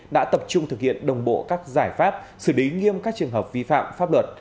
đã tập trung thực hiện đồng bộ các giải pháp xử lý nghiêm các trường hợp vi phạm pháp luật